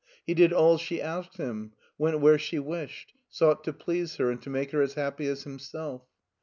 He did all she asked him, went where she wished, sought to please her and to make her as happy as himself.